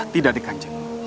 tidak di kanjeng